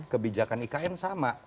kebijakan ikn sama